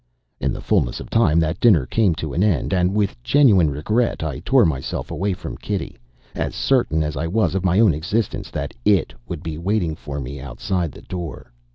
In the fulness of time that dinner came to an end; and with genuine regret I tore myself away from Kitty as certain as I was of my own existence that It would be waiting for me outside the door.